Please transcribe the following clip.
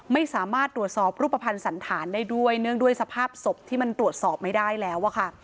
ไม่สามารถตรวจสอบรูปภัณฑ์สันธารได้ด้วยเนื่องด้วยสภาพศพที่มันตรวจสอบไม่ได้แล้วอะค่ะ